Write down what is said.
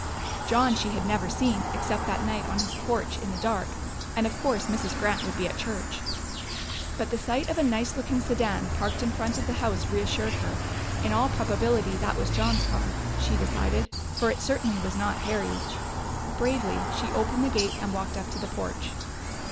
John she had never seen, except that night on his porch, in the dark; and of course Mrs. Grant would be at church. But the sight of a nice looking sedan parked in front of the house reassured her. In all probability that was John's car, she decided, for it certainly was not Harry's. Bravely she opened the gate and walked up to the porch.